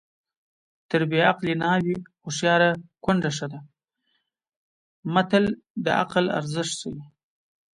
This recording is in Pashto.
تر بې عقلې ناوې هوښیاره کونډه ښه ده متل د عقل ارزښت ښيي